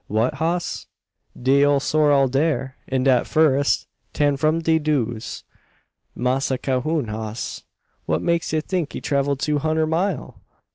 "What hoss?" "De ole sorrel dere in dat furrest 'tand from de doos Massa Cahoon hoss." "What makes ye think he travelled two hunder mile?"